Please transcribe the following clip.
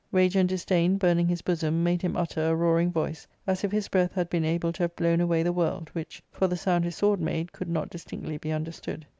Rage and disdain, burning his bosom, made him utter a roaring voice, as if his breath had been able to have blown away the world, which, for the sound his sword made, could not distinctly be understood."